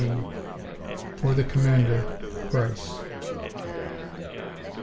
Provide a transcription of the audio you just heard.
G. "For the Commander, PRICE."